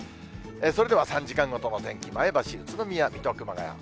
それでは３時間ごとの天気、前橋、宇都宮、水戸、熊谷。